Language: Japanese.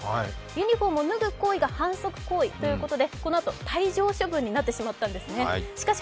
ユニフォームを脱ぐ行為が反則行為ということでこのあと、退場処分になってしまったんですね。